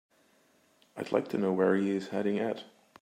I'd like to know where he is heading at.